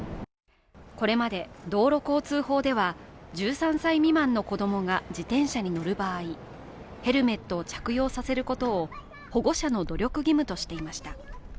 これまで道路交通法では１３未満の子供が自転車に乗る場合、ヘルメットを着用させることを保護者の努力義務としていました。